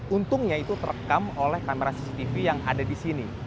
untungnya itu terekam oleh kamera cctv yang ada di sini